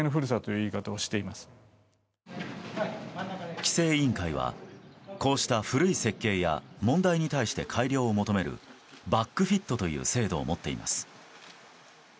規制委員会はこうした古い設計や問題に対して改良を求めるバックフィットという制度を持っています。